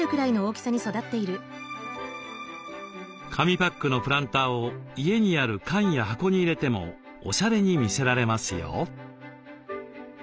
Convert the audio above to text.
紙パックのプランターを家にある缶や箱に入れてもおしゃれに見せられますよ。